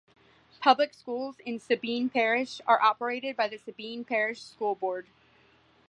Public schools in Sabine Parish are operated by the Sabine Parish School Board.